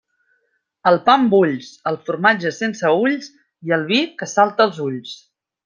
El pa, amb ulls; el formatge, sense ulls, i el vi, que salte als ulls.